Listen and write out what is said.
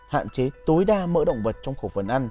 hạn chế tối đa mỡ động vật trong khẩu phần ăn